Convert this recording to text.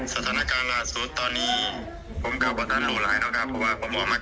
สถานการณ์ราชสูตรตอนนี้ผมกับพระท่านโหลหลายแล้วครับเพราะว่าผมว่ามาไกล